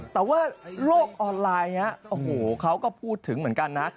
แต่ว่าโลกออนไลน์โอ้โหเขาก็พูดถึงเหมือนกันนะ